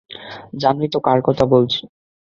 জানোই তো কার কথা বলছি।